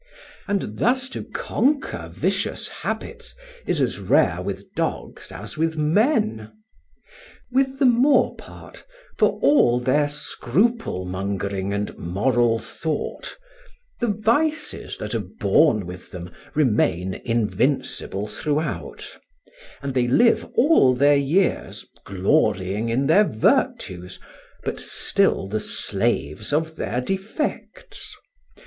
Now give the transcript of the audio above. And thus to conquer vicious habits is as rare with dogs as with men. With the more part, for all their scruple mongering and moral thought, the vices that are born with them remain invincible throughout; and they live all their years, glorying in their virtues, but still the slaves of their defects.